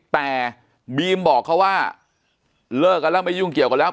แต่บีมบอกเขาว่าเลิกกันแล้วไม่ยุ่งเกี่ยวกันแล้ว